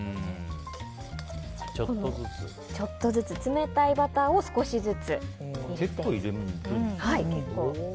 ちょっとずつ冷たいバターを少しずつ。